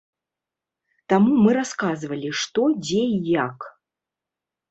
Таму мы расказвалі што, дзе і як.